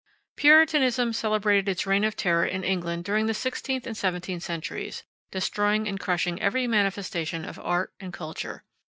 Puritanism celebrated its reign of terror in England during the sixteenth and seventeenth centuries, destroying and crushing every manifestation of art and culture.